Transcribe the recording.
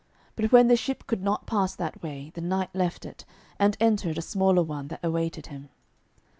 But when the ship could not pass that way, the knight left it, and entered a smaller one that awaited him.